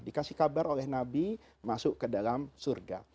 dikasih kabar oleh nabi masuk ke dalam surga